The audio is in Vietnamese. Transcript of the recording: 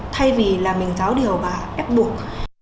thay vì là mình giáo điều và ép buộc